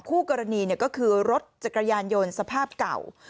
คู่กรณีก็คือรถจักรยานยนต์สภาพเก่า